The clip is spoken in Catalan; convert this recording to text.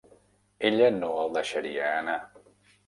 Ella no el deixaria anar.